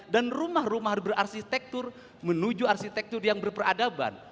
dan rumah rumah harus berarsitektur menuju arsitektur yang berperadaban